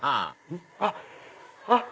あっあっ！